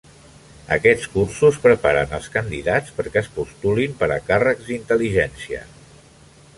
Aquests cursos preparen els candidats perquè es postulin per a càrrecs d'intel·ligència.